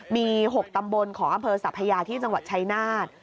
มี๖ตำบลของอำเภอสัพยาที่จังหวัดชายนาฏ